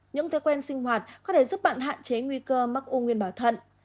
những thói quen sinh hoạt có thể giúp bạn hạn chế nguy cơ mắc u nguyên bảo thận